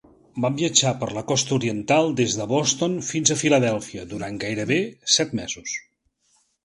Van viatjar per la costa oriental, des de Boston fins a Filadèlfia, durant gairebé set mesos.